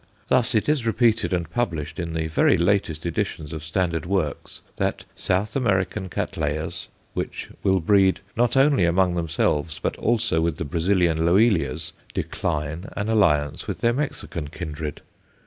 Thus, it is repeated and published in the very latest editions of standard works that South American Cattleyas, which will breed, not only among themselves, but also with the Brazilian Loelias, decline an alliance with their Mexican kindred.